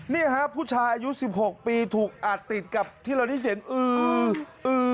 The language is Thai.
นี่ฮะผู้ชายอายุ๑๖ปีถูกอัดติดกับที่เราได้เสียงอือ